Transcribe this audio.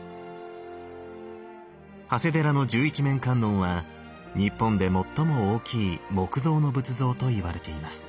長谷寺の十一面観音は日本で最も大きい木造の仏像といわれています。